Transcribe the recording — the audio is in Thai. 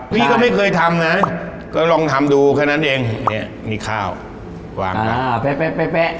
พี่ก็ไม่เคยทำนะก็ลองทำดูแค่นั้นเองเนี้ยมีข้าววางนะอ่าแป๊ะ